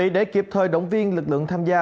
để kịp thời động viên lực lượng tham gia